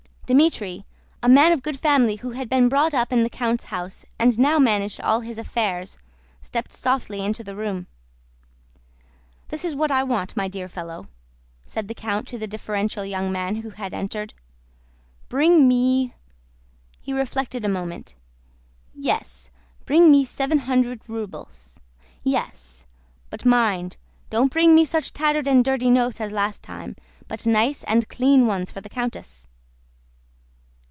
Dmítri, a man of good family who had been brought up in the count's house and now managed all his affairs, stepped softly into the room. "This is what I want, my dear fellow," said the count to the deferential young man who had entered. "Bring me..." he reflected a moment, "yes, bring me seven hundred rubles, yes! But mind, don't bring me such tattered and dirty notes as last time, but nice clean ones for the countess."